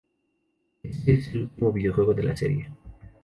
Este es el último videojuego de la serie.